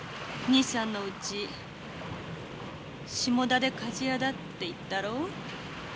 にいさんのうち下田でかじ屋だって言ったろう？